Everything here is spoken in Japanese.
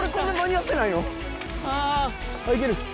いける。